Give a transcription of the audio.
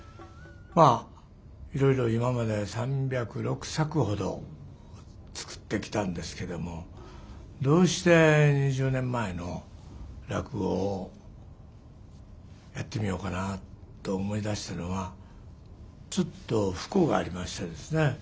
まあいろいろ今まで３０６作ほど作ってきたんですけどもどうして２０年前の落語をやってみようかなと思い出したのはちょっと不幸がありましてですね